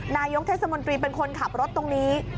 นายกเทศมนตรีเป็นคนขับรถตรงนี้